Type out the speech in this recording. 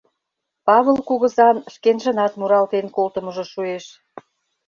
Павыл кугызан шкенжынат муралтен колтымыжо шуэш.